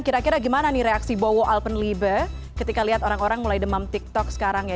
kira kira gimana nih reaksi bowo alpen libe ketika lihat orang orang mulai demam tiktok sekarang ya